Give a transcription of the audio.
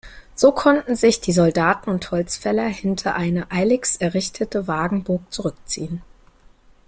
So konnten sich die Soldaten und Holzfäller hinter eine eiligst errichtete Wagenburg zurückziehen.